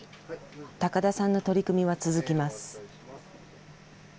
高田さんの取り組みは続きます。